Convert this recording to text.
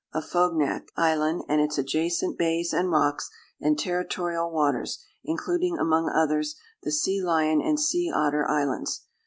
= Afognak Island and its adjacent bays and rocks and territorial waters, including among others the Sea Lion and Sea Otter Islands.